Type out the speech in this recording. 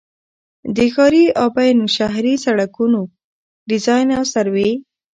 د ښاري او بینالشهري سړکونو ډيزاين او سروې